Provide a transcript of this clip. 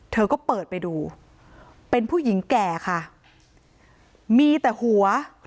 เธอก็เปิดไปดูเป็นผู้หญิงแก่ค่ะมีแต่หัว